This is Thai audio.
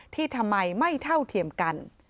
ทำไมไม่เท่าเทียมกัน